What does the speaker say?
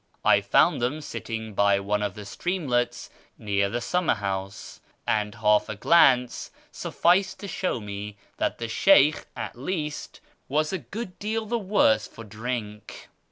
I found them sitting by one of the streamlets near the summer house, and half a glance sufficed to show me that the Sheykh, at least, was a good deal the worse for drink.